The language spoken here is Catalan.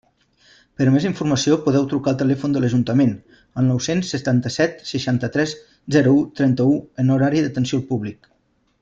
Per a més informació podeu trucar al telèfon de l'Ajuntament, al nou-cents setanta-set, seixanta-tres, zero u, trenta-u, en horari d'atenció al públic.